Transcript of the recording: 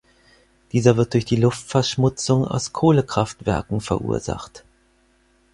Dieser wird durch die Luftverschmutzung aus Kohlekraftwerken verursacht.